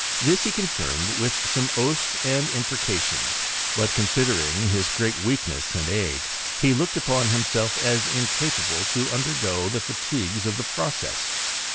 This he confirmed with some oaths and imprecations ; but, considering his great weakness and age, he looked upon himself as incapable to un dergo the fatigues of the process.